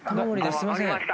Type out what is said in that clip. すいません。